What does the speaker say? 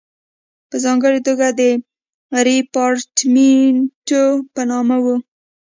په ځانګړې توګه د ریپارټیمنټو په نامه وو.